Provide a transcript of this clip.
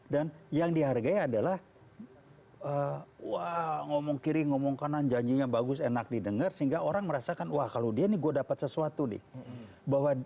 dan yang dihargai adalah wah ngomong kiri ngomong kanan janjinya bagus enak didengar sehingga orang merasakan wah kalau dia nih gue dapat sesuatu nih